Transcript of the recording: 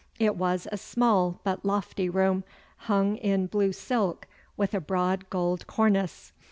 It was a small but lofty room, hung in blue silk with a broad gold cornice.